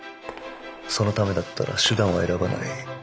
そのためだったら手段は選ばない。